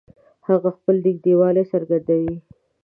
هغه خپل نږدېوالی څرګندوي